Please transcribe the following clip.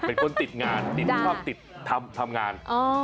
เป็นคนติดงานติดชอบติดทำงาน